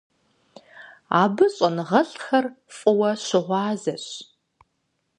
Абы щӏэныгъэлӏхэр фӀыуэ щыгъуазэщ.